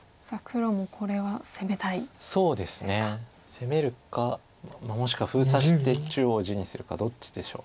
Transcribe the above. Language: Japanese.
攻めるかもしくは封鎖して中央地にするかどっちでしょう。